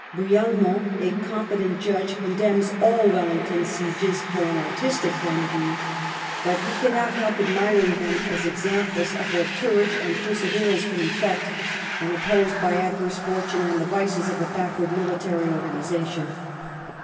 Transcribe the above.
Brialmont, a competent judge, condemns all Wellington's sieges " from an artistic point of view," but he cannot help admiring them " as examples of what courage and per severance can effect, when opposed by adverse fortune and the vices of a backward military organisation."